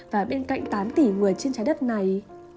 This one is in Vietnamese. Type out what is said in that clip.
và bên cạnh tám tỷ người trên trái đất này